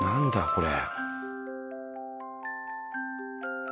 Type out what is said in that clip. これ。